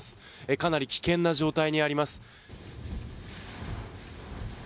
かなり危険な状態にあります。